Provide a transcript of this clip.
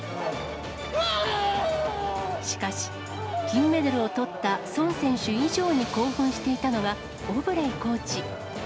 しかし、金メダルをとった、孫選手以上に興奮していたのが、オブレイコーチ。